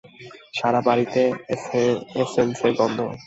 সারা বাড়িতে এসেন্সের গন্ধ!